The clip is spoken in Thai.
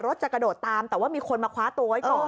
รถจะกระโดดตามแต่ว่ามีคนมาคว้าโต๊ยก่อน